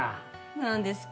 何ですか？